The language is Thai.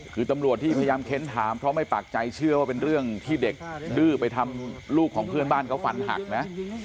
คือตำรวจที่พยายามเค้นถามเพราะไม่ปากใจเชื่อว่าเป็นเรื่องที่เด็กดื้อไปทำลูกของเพื่อนบ้านเขาฟันหักนะ